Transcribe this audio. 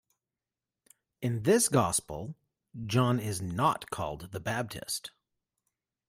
In this gospel, John is not called the Baptist.